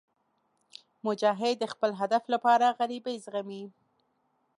مجاهد د خپل هدف لپاره غریبۍ زغمي.